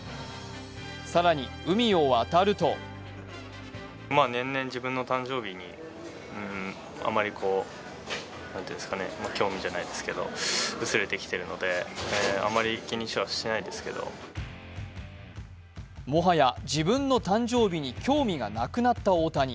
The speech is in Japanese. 更に、海を渡るともはや自分の誕生日に興味がなくなった大谷。